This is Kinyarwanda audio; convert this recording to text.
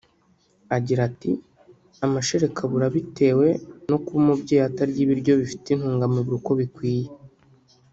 Agira ati “Amashereka abura bitewe no kuba umubyeyi atarya ibiryo bifite intungamubiri uko bikwiye